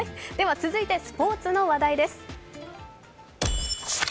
続いてスポーツの話題です。